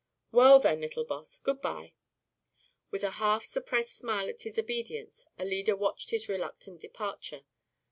"Well then, little boss, goodbye." With a half suppressed smile at his obedience Alida watched his reluctant departure.